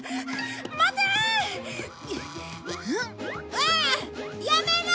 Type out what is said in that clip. わあやめろ！